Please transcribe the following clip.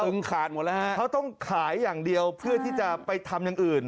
ขาดหมดแล้วฮะเขาต้องขายอย่างเดียวเพื่อที่จะไปทำอย่างอื่น